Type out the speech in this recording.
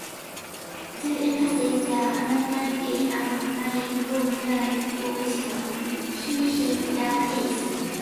To emphasize their anonymity and marginalized position, he hid their faces.